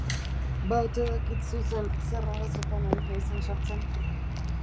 Ba ote dakit zuzen zer arazotan ari naizen sartzen?